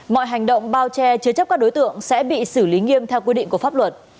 mọi hành động bao che chứa chấp các đối tượng sẽ bị xử lý nghiêm theo quy định của pháp luật